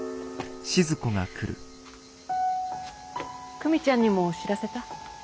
久美ちゃんにも知らせた？